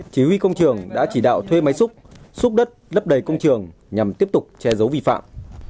chí huy công trường đã chỉ đạo thuê máy xúc xúc đất lấp đầy công trường nhằm tiếp tục che dấu vi phạm